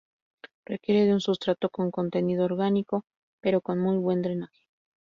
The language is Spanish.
Requiere de un sustrato con contenido orgánico, pero con muy buen drenaje.